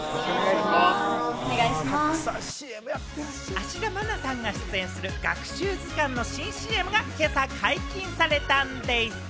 芦田愛菜さんが出演する学習図鑑の新ＣＭが今朝解禁されたんでぃす。